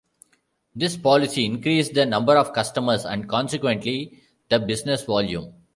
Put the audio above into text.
This policy increased the number of customers and consequently, the business volume.